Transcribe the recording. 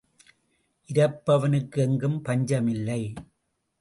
இரப்பவனுக்கு எங்கும் பஞ்சம் இல்லை.